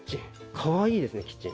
かわいいですねキッチン。